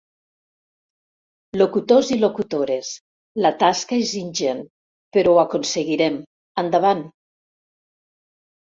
Locutors i locutores, la tasca és ingent, però ho aconseguirem! Endavant!